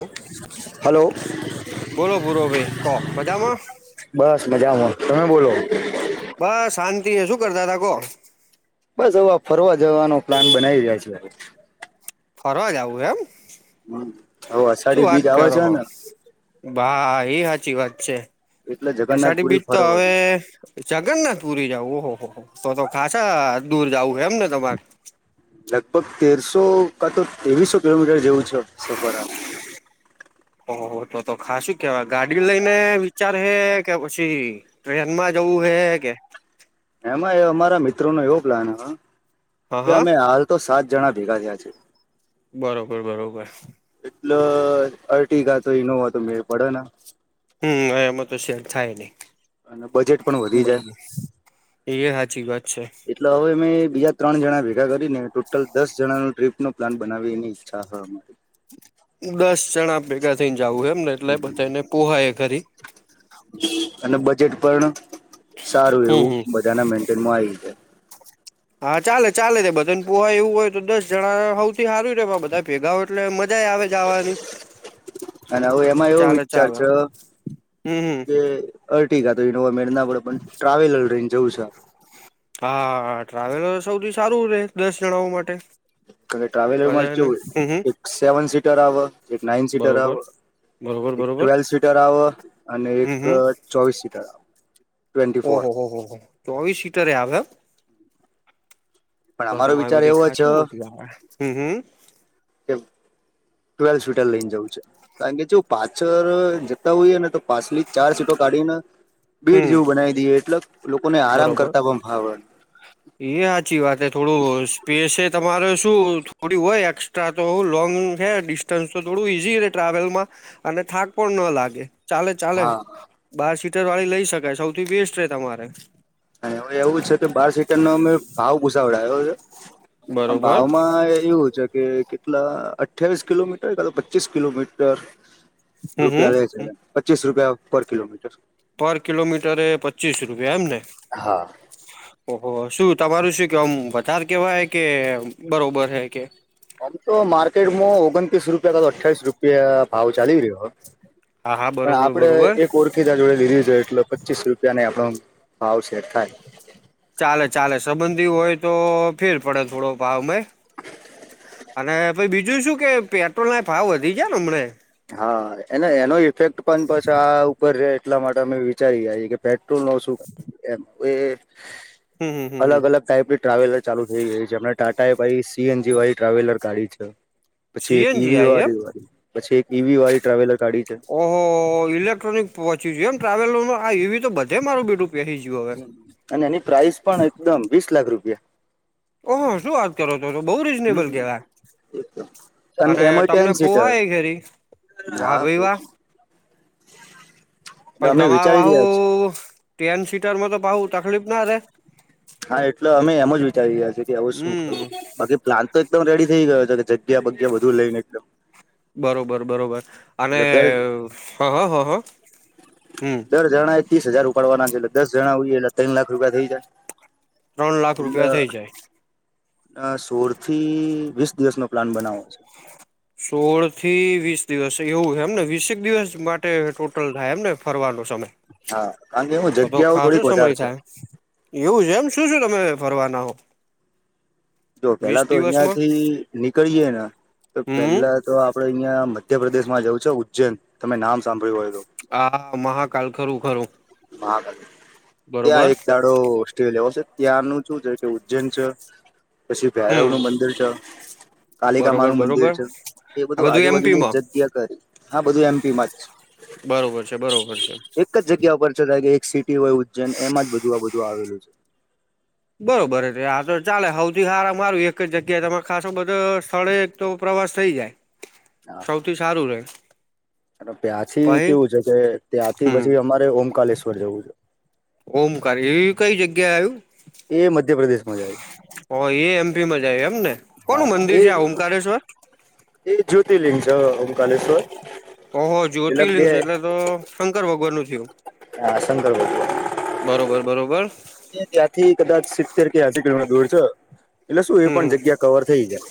Hello hello બોલો બુરો ભાઈ કો મજામાં? બસ મજામાં તમે બોલો? બસ શાંતિ એ શું કરતા તા કો? બસ હવે આ ફરવા જવાનો પ્લાન બનાવી રહ્યા છે. ફરવા જાઉું એમ? હ હ અષાઢી બીજ આવે છે ને. ભાઈ એ સાચી વાત છે એટલે અષાઢી જગન્નાથપુરી બીજ તો ફરવા હવે જગન્નાથ પુરી જવું ઓહ હો હો હો તો તો ખાશા દૂર જવું એમ ને તમારે? લગભગ તેરસો કા તો તેવીસો કિલોમીટર જેવું છે સફર આ. ઓ હો હો તો તો ખા શું કેવાય ગાડી લઈને વિચાર હે કે પછી ટ્રેન માં જવું હે કે એમાં અમારા મિત્રો નો એવો પ્લાન હતો હા કે હા અમે હાલ તો સાત જણા ભેગા થયા છે. બરોબર, બરોબર. એટલો અર્ટીગા તો ઇનોવા તો મેળ પડે ના. હમ્મ એમાં તો શેર થાય નહી અને બજેટ પણ વધી જાય બરોબર. એ હાચી વાત છે. એટલે હવે મેં બીજા ત્રણ જણા ભેગા કરીને ટોટલ દસ જણા નું ટ્રીપ નો પ્લાન બનાવીની ઈચ્છા હ હમે. દસ જણા ભેગા થઈ જવું એમ ને એટલે બધા એને પોહા એ ઘરી. અને બજેટ પણ સારું હમ એવું હમ બધાના મેન્ટેનમાં આઈ જાય. હા ચાલે ચાલે તે બધન પોહ એવું હોય તો દસ જણા હઉથી હારું બધા ભેગા હોય એટલે મજા એ આવે જાવાની. અને હું એમાં એવો વિચાર ચાલે છ હમ હમ કે અર્ટિકા તો ઇનોવા મેરના વડે પણ ટ્રાવેલર રહીને જવું છે. હા, ટ્રાવેલ સૌથી સારું રહે દસ જણાઓ માટે. કા તમે ટ્રાવેલર માં બધાને કેવું હમ હમ એક સેવન સીટર આવે, એક નાઈન સીટર બરોબર આવે બરોબર, બરોબર. તા વ અને હમ એક હમ ચોવીસ સીટર આવે ટ્વેન્ટી ફોર. ઓહો હો હો હો. ચોવીસ સીટર એ આવે હે? પણ તો અમારો તમારી વિચાર બધી એવો છે ખાશું મોતી આવે. હમ્મ, હમ્મ. કેવું ટ્વેલ શવીટર લઈને જવું છે. કારણ કે જો પાછળ જતા હોઈએ ને તો પાછલી ચાર સીટો કાઢીને હમ બીડ જેવું બનાવી દઈએ એટલે લોકોને આરામ બરોબર કરતા પણ ફાવે. એ હાચી વાત થોડું સ્પેસ તમારે શું થોડી હોય એક્સપ તા લોંગ છે ડિસ્ટન્સ તો થોડું ઈઝી ટ્રાવેલ માં અને થાક પણ નો લાગે ચાલે ચાલે. હા બાર સીટર વાળી લઇ શકાય સૌથી બેસ્ટ રે તમારે. અને એવ એવું છે કે બાર સીટર નો અમે ભાવ પૂસાવડાયો છે અને બરોબર ભાવમાં માં એવું છે કે કેટલા અઠ્યાવીસ કિલોમીટર કા તો પચીસ કિલોમીટર હમ રૂપિયા લે એ હમ છે પચીસ રૂપિયા પર કિલોમીટર. પર કિલોમીટર એ પચીસ રૂપિયા એમને? હા. ઓહ શું તમારું શું કે આમ વધાર કેવા હ કે બરોબર હૈ કે આમ તો માર્કેટમાં ઓગણત્રીસ રૂપિયા ત અઠ્ઠવીસ રૂપિયા ભાવ ચાલી રહ્યો હા હા પણ બરોબર આપડે બરોબર એક ઓરખ ખિતા જોડે લીધી છે એટલે પચીસ રૂપિયા ને આપણો ભાવ સેટ થાય ચાલે ચાલે સંબંધી હોય તો ફેર પડે થોડો ભાવમાંય અને પછી બીજું શું કે પેટ્રોલ ના ભાવ વધી ગયા ને હમને હા એનો એનો ઇફેક્ટ પણ પછ આ ઉપર રે એટલા માટે અમે વિચારી ગએ કે પેટ્રોલ નો શું એ એ હમ હમ અલગ હમ અલગ ટાઈપ ટ્રાવેલર ચાલુ થઈ ગઈ છે હમણાં ટાટાએ ભાઈ સીએનજી વાળી ટ્રાવેલર ગાડી છે. પછી એક સીએનજી ઈવી આઈ એમ વાળી વાળી પછી એક ઈવી વાળી ટ્રાવેલર ગાડી છે. ઓહો ઇલેક્ટ્રોનિક પહોંચી ગયું એમ ટ્રાવેલરમાં ઈવી તો બધે મારું બેટું પહી ગયું હવે. અને એની પ્રાઇસ પણ એકદમ વીસ લાખ રૂપિયા ઓહો શું વાત કરો છો બહુ હમ રીઝનેબલ કેવાય. અને એમાં ટેન તમને સીટર પોહાય ઘેરી વાહ હા ભાઈ પછ વાહ [unintelligible] પણ તમારે વાહુ ટેન સીટરમાં તો પાહુ તકલીફ ના રે હા એટલે અમે એમ જ વિચારી રહ્યાએ કે હવે શું હમ કરવું બાકી પ્લાન તો એકદમ રેડી થઈ ગયો છે કે જગ્યા બગ્યા બધું લઈને એકદમ બરોબર બરોબર અને એટલે દર હ હ હ હ હમ દર જણા એ ત્રીસ હજાર ઉપાડવાના છે એલે દસ જણા હોઈએ એટલે તણ લાખ રૂપિયા થઈ જાય ત્રણ લાખ રૂપિયા થઈ જાય અ સોળ થી વીસ દિવસ નો પ્લાન બનાવો છે. સોળ થી વીસ દિવસ એવું છે એમને વીસેક દિવસ માટે ટોટલ થાય એમને ફરવાનો સમય હા એવું જ તો તો ખાસો સમય થાય એવું છે એમ શું શું તમે ફરવાના હો? જો વીસ પેલા તો અહિયા દિવસમાં થી નીકળીયે ને તો હમ પેલા તો આપ આપડે અહિયાયા મધ્યપ્રદેશ માં જવું છે ઉજૈન તમે નામ સાંભળ્યું હોય તો હા મહાકાલ ખરું ખરું મહાકાલ બરોબર ત્યાં એક દાડો સ્ટે લેવો છે ત્યાંનું શું છે કે ઉજ્જૈન છે. પછી ભૈરવ હમ નું મંદિર છે કાલિકામા બરોબર નું મંદિર બરોબર છે કે એ આ બધું આજુબાજુની એમપીમાં જ ગ્યા કરી હા બધું એમપી માજ બરોબર છે બરોબર છે. એક જગ્યા પર છતાં કે એક સિટી હોય ઉજ્જૈન એમાં જ બધુ આ બધું આવેલું છે. બરોબર છે આ તો ચાલે સૌથી હારા મા હારું એક જ જગ્યાએ તમારે ખાસો બધો સ્થળે તો પ્રવાસ થઈ જાય હા સૌથી સારું રહે. અને ત્યાંથી કેવું છે કે ત્યાંથી હમ પછી અમારે ઓમકલેશ્વર જવું છે. ઓમકાર એવી કઈ જગ્યા આવ્યું? એ મધ્યપ્રદેશમાં જ આયુ હ એ એમપી માં જાય એમ ને હા કોનું મંદિર છે આ એ ઓંકશ્વર? એ જ્યોતિર્લિંગ છ ઓમકાલેશ્વર ઓહો એટલે જ્યોતિર્લિંગ બે છે એટલે તો શંકર ભગવાન નું થયું. હા શકર ભગવાન બરોબર બરોબર એ ત્યાંથી કદાચ સિત્તેર કે એસી કિલોમીટર દૂર છે એટલે શું એ હમ હમ પણ જગ્યા કવર થઈ જાય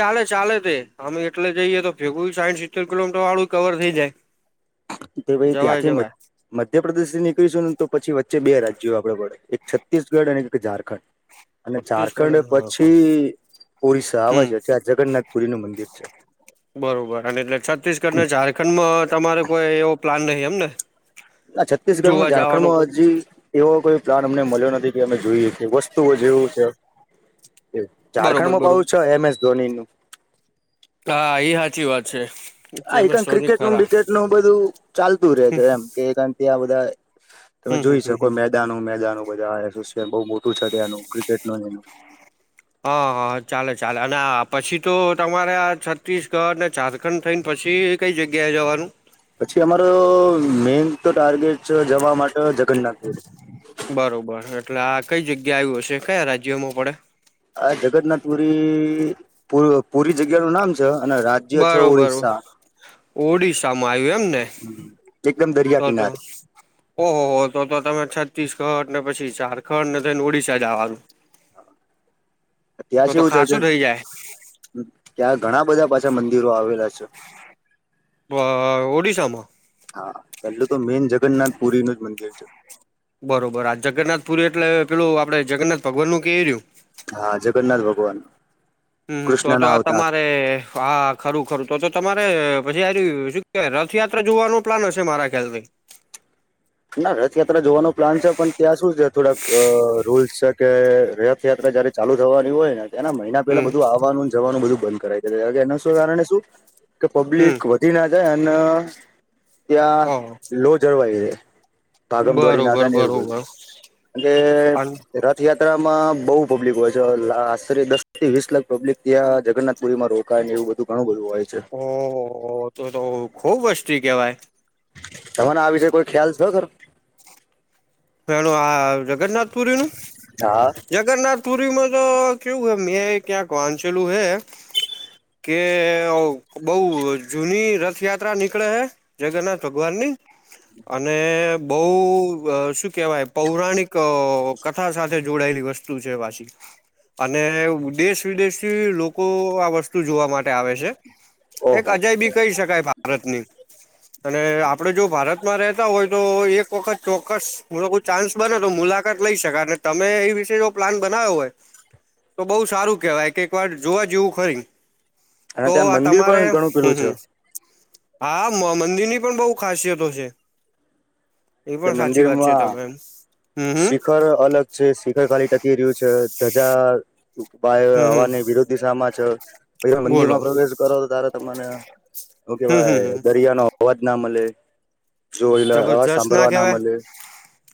ચાલે ચાલે તે અઆમે એટલે જઈએ તો ભેગું સાઈઠ સિત્તેર કિલોમીટર વાળું કવર થઈ જાય. તો ભાઈ જવાય ત્યાંથી મ જવાય મધ્યપ્રદેશ થી નીકળીશું ને તો પછી વચ્ચે બે રાજ્યો આપડે પડે એક છત્તીસગઢ અને એક ઝારખંડ. [inaudible] અને ઝારખંડ છત્તીસગઢ પછી ઓરિસ્સા આવે હમ છે ત્યાં જગન્નાથ પુરી નું મંદિર છે. બરોબર અને એટલે છત્તીસગઢ ને ઝારખંડમાં તમારે કોઈ એવો પ્લાન નહીં એમને. આ છત્તીસગઢમાં જોવા જવાનો કોઈ ઝણખંડમાં હજી, એવો કોઈ પ્લાન અમને મળ્યો નથી કે અમે જોઈએ કે વસ્તુઓ જેવું છે. ઝારખંડ બરોબર માં પાહુ બરોબર છ એમ એસ ધોની નું, હા એ સાચી વાત છે. હા અમે એકણ સોની ક્રિકેટનું ખરા બિકેટ નું બધું ચાલતું રહેે છે એમ કે [unintelligible] ણ આ બધા, તમે હમ હમ જોઈ હમ શકો હમ મેદાનો મેદાનો બધા એસોસન બહુ મોટું છે તનું ક્રિકેટ નુ એનું, હા હા ચાલે ચાલે અને આ પછી તો તમારે છત્તીસગઢ ને ઝાર ખંડ થઈને પછી કઈ જગ્યાએ જવાનું. પછી અમારો મેન તો ટાર્ગેટ છે જવા માટે જગન્નાથ. બરોબર એટલે આ કઈ જગ્યા આવ હશે કયા રાજ્યોમાં પડે. આ જગન્નાથ પુરી પુરી જગ્યા નું નામ છે. અને રાજ્ય છે બરોબર ઓરિસ્સા ઓડિશામાં આવ્યું એમને એકદમ તો દરિયા તો. કિનારે ઓહો હો તો તો તમે છત્તીસગઢ ને પછી ઝારખંડ ને થઈને ઓડિશા જવાનું. હા. ત્યાં તો છે તો એવું છે કે ખાસું થઇ જાય ત્યાં ઘણા બધા પાછા મંદિરો આવેલા છે. બ.. ઓડિશામાં. હા પહેલું તો મેન જગન્નાથપુરી નું જ મંદિર છે. બરોબર આ જગન્નાથપુર એટલે પેલું આપડે જગન્નાથ ભગવાન નું કે એ રહ્યું. હા જગન્નાથ ભગવાન હમ તો કૃષ્ણ તો ના આ અવતાર તમારે. હા ખરું ખરું તો તો તમારે પછી આજ શું કેવાય રથયાત્રા જોવાનું પ્લાન હશે મારા ખ્યાલથી. ના રથયાત્રા જોવાનો પ્લાન છે પણ ત્યાં શું છે થોડાક રૂલ્સ છે કે ર રથયાત્રા જયારે ચાલુ થવાની હોયને, એના મહિના હમ પહેલા બધું આવવાનુંને જવાનું બધું બંધ કરાવ દે એના શ કારણે શું કે હમ પબ્લિક વ ધી ના જાય અને ત્યાં ઓ લો જળવાઈ જાય. ભાગમ દ્વોડી ના બરોબર થાય ને એવું બરોબર બધું અન કે રથયાત્રામાં બહુ પબ્લિક હોય છે, આશરે દસ થી વીસ લાખ પબ્લિક ત્યાં જગન્નાથ પુરીમાં રોક એવું બધું ઘણું બધું હોય છે. ઓહહ તો તો ખુબ વસ્તી કેહેવાય. તમ ને આ વિષે કોઈ ખ્યાલ છો ખર એેનું આ જગન્નાથપુરી નું હા [unintelligible] જગન્નાથપુરીમાં તો કેવું હ મેં ક્યાંક વાંચેલું હૈ. કે બઉ જૂની રથયાત્રા નીકળે હે. જગન્નાથ ભગવાન ની અને બહુ વ શુ કેવાય પૌરાણિક કથા સાથે જોડાયેલી વસ્તુ છે વાસી અને દેશ વિદેશથી લોકો આ વસ્તુ જોવા માટે આવે છે. એક ઓહો અજય બી કહી શકાય ભારતની. અને આપડે જો ભારતમાં રહેતા હોય તો એક વખત ચોક્કસ હ કોઈ ચાન્સ બને તો મુલાકાત લઈ શકાય અને તમે એ વિશે જો પ્લાન બનાવ્યો હોય. તો બઉુ સારું કેહેવાય કે એક વાર જોવા જેવું ખરી. અને તો ત્યાં આ મંદિર તમારે પણ ઘણું પેલું છે હમ્મ. હા મંદિરની પણ બહુ ખાસિયતો છે. એ કે પણ સાચી વાત છે મંદિરમાં તમે એમ હમ્મ હ. શિખર અલગ છે, શિખર ખાલી ટકી રહ્યું છે, ધજા ાય હમ હમ હવાની વિરોધિશામાં છે પહી બોલો મંદિરમાં પ્રવેશ કરો તારે તમને હું હમ હમ કેવાય હમ દરિયા નો અ [unintelligible] ના મળે. જો એટલે અવાજ જબરજસ્ત. ના સાંભળવા કવાય મળે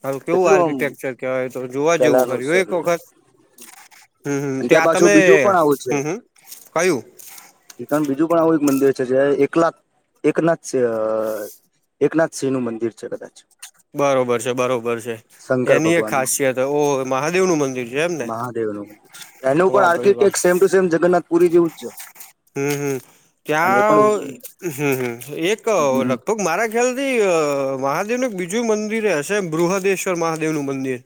હ કેવું કેટલું આમ આર્કિટેકચર કવાય તો જોવા જેવું ખર પેલાનું એક વખત. હમ, ત્યાં પાછું તમે, બીજું પણ આવું હમ, હમ, કયું. ણ બીજું પણ આવું એક મંદિર છે, જે એકલાથ એકનાથ છે. એકનાથસિંહનું મંદિર છે, કદાચ. બરોબર છે, બરોબર છે, શંકર એની એક ભગવાન નું ખાસિયત ઓ મહાદેવ નું મંદિર છે એમ ને. મહાદેવ એનું પણ વાહ ભાઈ architect same to same Jagannath Puri જેવું જ છે. હમ્મ, હમ, અને એ પણ ત્યાં હમ્મ, હ, એક લગભગ મારા ખ્યાલથી મહાદેવ નું એક બીજું મંદિર હશે, બૃહદેશ્વર મહાદેવ નું મંદિર.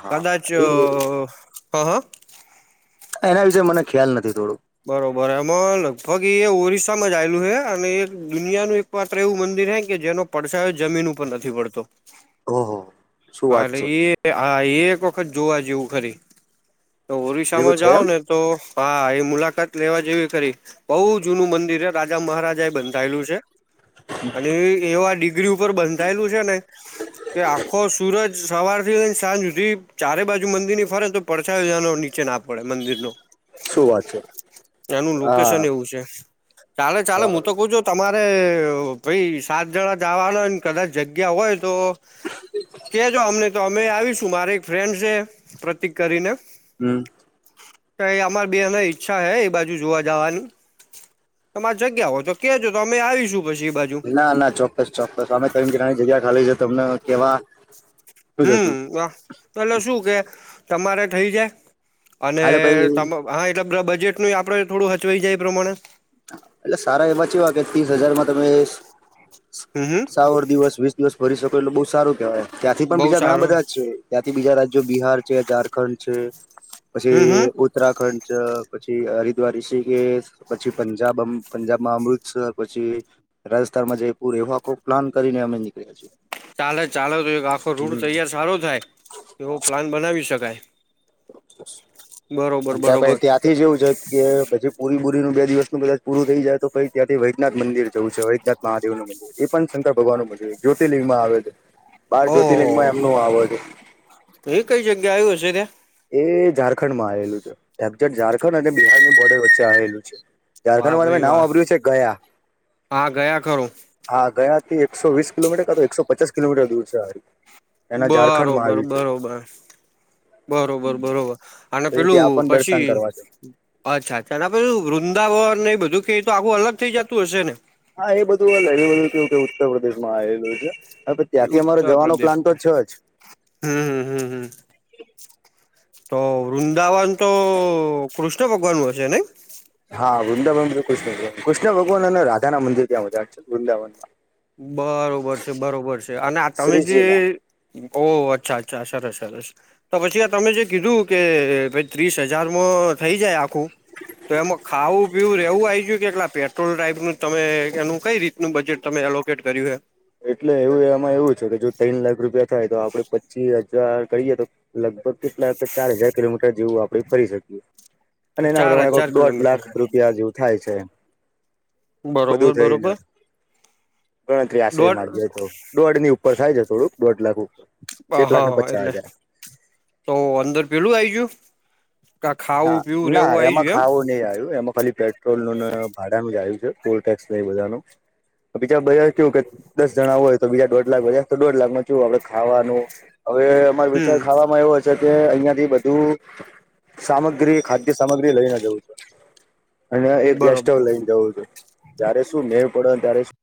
હા કદાચ એ હ, હ. એના વિશેે મને ખ્યાલ નથી, થોડું. બરોબર, એમાં લગભગ એ ઓરિસ્સામાં જ આવેલું છે, અને એ દુનિયાનું એક માત્ર એવું મંદિર હે કે, જેનો પડછાયો જમીન ઉપર નથી પડતો. ઓહ. અરે એ હ, એક વખત જોવા જેવું ખરી. એવું ઓરિશસામાં છે જાાવ એમ ને તો. હા, એ મુલાકાત લેવા જેવી ખરી. બહુ જૂનું મંદિર રાજા મહારાજા એ બંધાયેલું છે, અને એવા ઉપર બંધાયેલું છે ને. કે આખો સુરજ સવાર થી લઈ ને, સાંજ સુધી ચારે બાજુ મંદિર ની ફરે તો પડે. અછાજ નીચે ના પડે મંદિર નુ શું વાત છે એનું હા લોકેશન એવું છે. ચાલે, ચાલે, હું તો કું છું, તમારે ભાઈ સાત જણા જવાના હોય ને, કદાચ જગ્યા હોય. તો કેજો અમને તો અમે આવીશું, મારે એક ફ્રેન્ડ છે, પ્રતિક કરીને. હમ. તો અમાર બેને ઈચ્છા હૈ, એ બાજુ જોવા જવાની. તમારે જગ્યા હો તો કેજો, તો અમે આવીશું પછી બાજુ. ના, ના, ચોક્કસ, ચોક્કસ. અમે ત નાની જગ્યા ખાલી છે તમને કેવા. શું જ હમ, હતું પેલે શું કે તમારે થઈ જાય. અને હાલે ભાઈ હા, એટલે બજેટ નું આપણે થોડું હચવાઈ જાય, એ પ્રમાણે એટલે સારા એ માંચવા કે, ત્રીસ હજારમાં તમે હમ હમ સાવર દિવસ વીસ. દિવસ ભરી શકો, એટલે બહઉ શું કેવાય? ત્યાંથી પણ બઉ બીજા ઘણા સારું બધા જ છે. ત્યાંથી બીજા રાજ્યો બિહાર છે, ઝારખંડ છે, હમ હમ પછી ઉત્તરાખંડ પછી હરિદ્વારી છે કે? પછી પંજાબ પંજાબમાં, અમૃતસર પછી રાજસ્થાનમાં, જયપુર એવાખો પ્લાન કરીને, અમે નીકળ્યા છીએ. ચાલે, ચાલે, તો એક આખો રૂડ તૈયાર સારો થાય, એવો પ્લાન બનાવી શકાય. બરોબર અ ત્યાં પછી બરોબર ત્યાંથી એવું છે. કે પછી પૂરી બુરીનું બે દિવસનું પદા પૂરું થઈ જાય, તો પછી ત્યાંથી વૈદનાથ મંદિર જવું છે, વૈદનાથ મહાદેવનું મદિર. એ પણ શંકર ભગવાન નું માં જ્યોતિર્લિંગ માં આવે છે, બાર જ્યોતિર્લિંગ માં એમનું આવે છે. તો એ કઈ જગ્યા આવ્યું હશે, ત્યાં એ ઝારખંડ માં આવેલું છે, ઝારખંડ અને બિહારની બોર્ડર વચ્ચે આવેલું છે. વાહ ઝારખંડમાં તમે ભાઈ નામ વાહ વાર્યું છે, ગયા. હા ગયા ખરું હા, ગયાથી એકસો વીસ કિલોમીટર કાં તો, એકસો પચાસ કિલોમીટર દૂર છે, હ. બરોબર, બરોબર. બરોબર, બરોબર, અને તો ત્યાં પેલું પણ દર્શન પછી કરવા છે અચ્છા, અચ્છા આપે, વૃંદાવન ને એ બધું ક તો આખું અલગ થઈ જતું હશે ને. હા, એ બધું લ બધું કે, કે ઉત્તર પ્રદેશ માં આવેલું છે. હવે ત્યાંથી અમારો ઉત્તર જવાનો પ્રદેશ પ્લાન તો છે જ. હમ, હમ, હમ, હમ. તો વૃંદાવન તો કૃષ્ણ ભગવાન ન હશે ને. હા, વૃંદાવન કૃષ્ણ ભગવાન, કૃષ્ણ ભગવાન અને રાધા ના મંદિર ત્યાં વધ્યા છે વૃંદાવનમાં. બરોબર છે, બરોબર છે, અને આ તમે જે શ્રીજીના. ઓહ, અચ્છા, અચ્છા, અ સર સર સર. તો પછી તમે જે કીધું કે ભ ત્રીસ હજારમાં થઈ જાય આખું તો એમાં ખાવું પીવું રેવું આ આવી ગયું કે એટલા પેટ્રોલ ટાઈપ નું તમે એનું કઈ રીતનું બજેટ તમે એ લો બજેટ કરી રહ્યા એટલે એવું એમાં એવું છે કે જો ત્રન લાખ રૂપિયા થાય તો આપડે પચી હજાર કરીએ તો લગભગ કેટલા કે ચાર હજાર કિલોમીટર જેવું આપડે ફરી શકીએ હે અને એના ચાર પ્રમાણે હજાર કોક દોઢ લાખ કિલોમીટર રૂપિયા જેવું થાય છે બધું બરોબર થયુંને બરોબર ગણતરી આ દોઢ માગી તો દોઢ ની ઉપર થાય છે થોડુંક દોઢ લાખ ઉપર હા એક લાખ ને હા પચાસ એટલે હજાર તો અંદર પેલું આઇગયું હા ના એમાં ગયું ખાવો નહી આવ્યું એમાં ખાલી પેટ પેટ્રોલ નું ભાડાનું જ આવ્યું છે ટોલ ટેક્સ એ બધા નુ બીજા બધા કયું કે દસ જણા હોય તો બીજા દોઢ લાખ હો તો દોઢ લાખ ચુ આપડે ખાવાનું હવે મારો એમ વિચાર હમ ખાવામાં આવવો હ છે કે અહિયાં થી બધું સામગ્રી ખાદ્ય સામગ્રી લઈને જવું છું અને એક ગેસ સ્ટોવ બરોબર લઈને જવું છું ત્યારે શું મેવ પડે ત્યારે